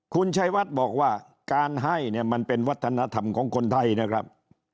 คุณชัยวัดบอกว่าการให้เนี่ยมันเป็นวัฒนธรรมของคนไทยนะครับ